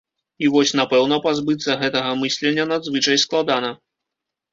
І вось, напэўна, пазбыцца гэтага мыслення надзвычай складана.